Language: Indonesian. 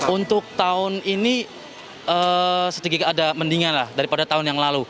untuk tahun ini sedikit ada mendingan lah daripada tahun yang lalu